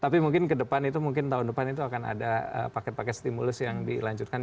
tapi mungkin ke depan itu mungkin tahun depan itu akan ada paket paket stimulus yang dilanjutkan